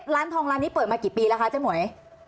ร้านทองร้านนี้เปิดมากี่ปีแล้วคะเจ๊หมวย